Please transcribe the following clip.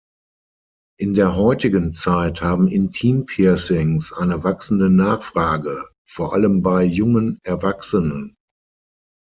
In der heutigen Zeit haben Intimpiercings eine wachsende Nachfrage, vor allem bei jungen Erwachsenen.